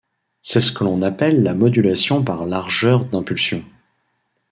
C'est ce que l'on appelle la modulation par largeur d'impulsion.